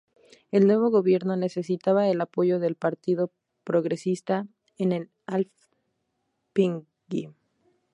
El nuevo Gobierno necesitaba el apoyo del Partido Progresista en el Alþingi.